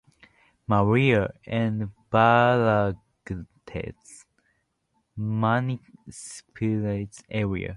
Maria, and Balagtas municipalities area.